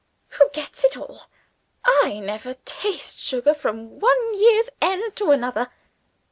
Who gets it all? I never taste sugar from one year's end to another.